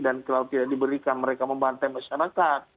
dan kalau tidak diberikan mereka membantai masyarakat